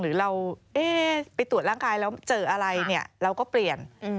หรือเราไปตรวจร่างกายแล้วเจออะไรเนี่ยเราก็เปลี่ยน